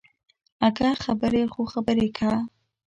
اگه خبرې خو خوږې که.